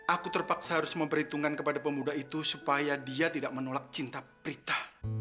aku terpaksa harus memperhitungkan kepada pemuda itu supaya dia tidak menolak cinta prita